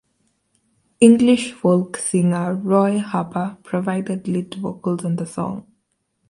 English folk singer Roy Harper provided lead vocals on the song.